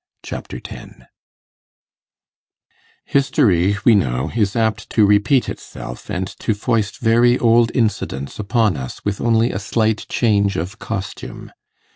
Chapter 10 History, we know, is apt to repeat herself, and to foist very old incidents upon us with only a slight change of costume.